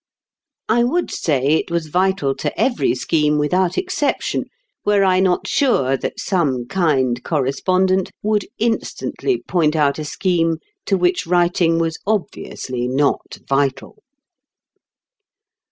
I would say it was vital to every scheme, without exception, were I not sure that some kind correspondent would instantly point out a scheme to which writing was obviously not vital.